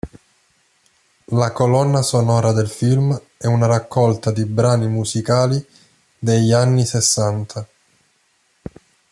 La colonna sonora del film è una raccolta di brani musicali degli anni sessanta.